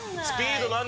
スピード